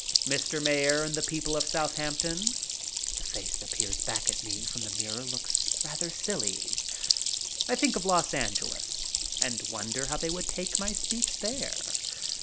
"Mr. Mayor and the people of Southampton." The face that peers back at me from the mirror looks rather silly. I think of Los Angeles and wonder how they would take my speech there.